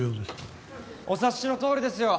お察しのとおりですよ。